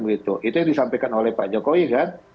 itu yang disampaikan oleh pak jokowi kan